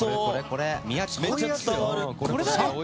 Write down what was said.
これこれ。